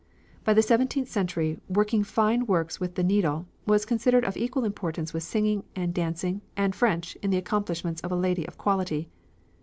By the seventeenth century "working fine works with the needle" was considered of equal importance with singing, dancing, and French in the accomplishments of a lady of quality.